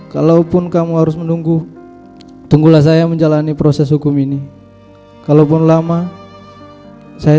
kalaupun kamu harus menunggu tunggulah saya menjalani proses hukum ini kalaupun lama saya